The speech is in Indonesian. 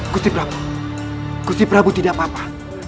kutip brabu kutip brabu tidak apa apa